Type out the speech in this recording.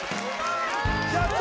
やった！